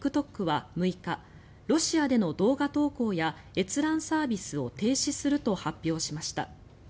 ＴｉｋＴｏｋは６日ロシアでの動画投稿や閲覧サービスを停止すると発表しました。